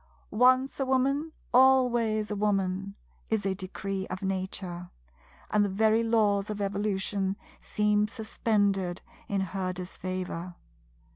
"Once a Woman, always a Woman" is a Decree of Nature; and the very Laws of Evolution seem suspended in her disfavour.